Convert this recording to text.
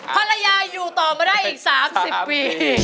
ภรรยาอยู่ต่อมาได้อีก๓๐ปี